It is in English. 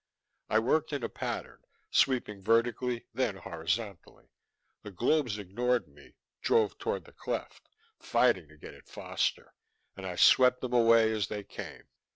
I worked in a pattern, sweeping vertically, then horizontally. The globes ignored me, drove toward the cleft, fighting to get at Foster, and I swept them away as they came.